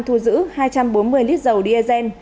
thu giữ hai trăm bốn mươi lít dầu diesel